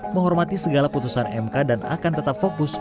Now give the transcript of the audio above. menghormati segala putusan mk dan akan tetap fokus